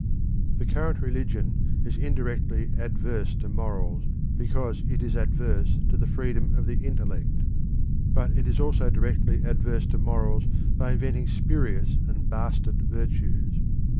The current religion is indirectly adverse to morals, because it is adverse to the freedom of the intellect. But it is also directly adverse to morals by inventing spurious and bastard virtues.